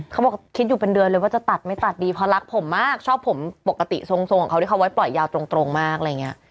เขาบอกคิดอยู่เป็นเดือนเลยว่าจะตัดไม่ตัดดีเพราะรักผมมากชอบผมปกติทรงของเขาที่เขาไว้ปล่อยยาวตรงมากอะไรอย่างนี้